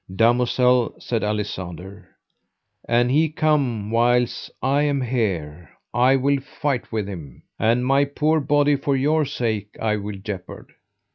Damosel, said Alisander, an he come whiles I am here I will fight with him, and my poor body for your sake I will jeopard.